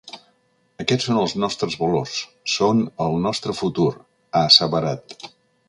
“Aquests són els nostres valors, són el nostre futur”, ha asseverat.